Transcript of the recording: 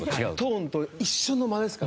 トーンと一瞬の間ですか。